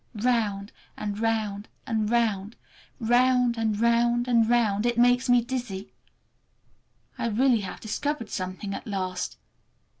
Round and round and round—round and round and round—it makes me dizzy! I really have discovered something at last.